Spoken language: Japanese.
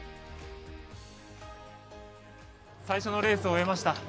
最初のレースを終えました。